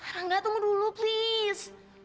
rangga tunggu dulu please